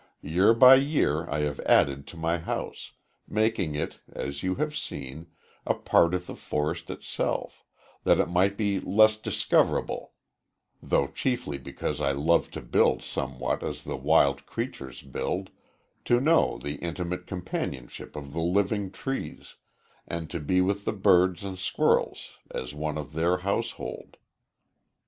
Year by year I have added to my house making it, as you have seen, a part of the forest itself that it might be less discoverable; though chiefly because I loved to build somewhat as the wild creatures build, to know the intimate companionship of the living trees, and to be with the birds and squirrels as one of their household."